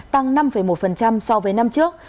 tăng năm một so với năm trước